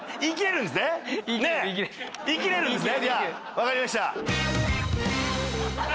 わかりました。